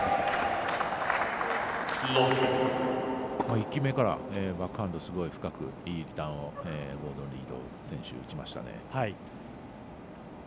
１球目からバックハンドすごく深い、いいリターンゴードン・リード選手打ちましたね。